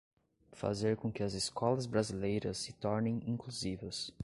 fazer com que as escolas brasileiras se tornem inclusivas